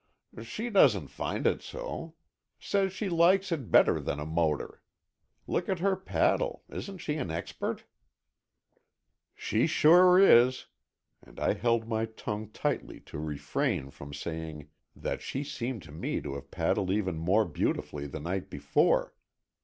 "She doesn't find it so. Says she likes it better than a motor. Look at her paddle. Isn't she an expert?" "She sure is." And I held my tongue tightly to refrain from saying that she seemed to me to have paddled even more beautifully the night before.